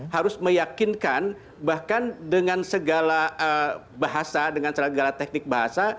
harus meyakinkan bahkan dengan segala bahasa dengan segala teknik bahasa